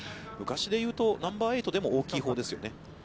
昔で言うと、ナンバーエイトでも大きいほうですよね。